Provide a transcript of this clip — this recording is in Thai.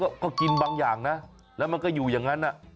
ก็กินบางอย่างนะแล้วมันก็อยู่อย่างนั้น